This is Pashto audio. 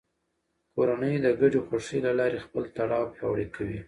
کورنۍ د ګډې خوښۍ له لارې خپل تړاو پیاوړی کوي